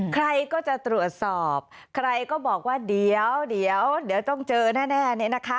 ใครก็จะตรวจสอบใครก็บอกว่าเดี๋ยวต้องเจอแน่เนี่ยนะคะ